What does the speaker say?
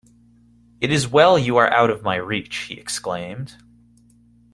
‘It is well you are out of my reach,’ he exclaimed.